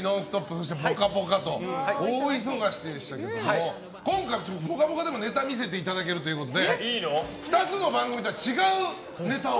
そして「ぽかぽか」と大忙しでしたけども今回「ぽかぽか」でもネタを見せていただけるということで２つの番組とは違うネタを。